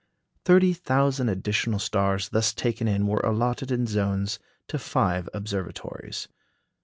Thirty thousand additional stars thus taken in were allotted in zones to five observatories.